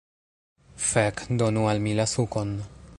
Fek' donu al mi la sukon